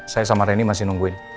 saya sama reni masih nungguin